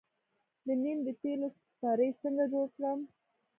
د نیم د تیلو سپری څنګه جوړ کړم؟